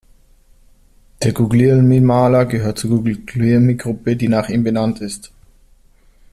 Der Guglielmi-Maler gehört zur Guglielmi-Gruppe, die nach ihm benannt ist.